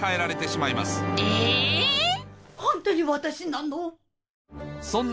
ホントに私なの⁉そんな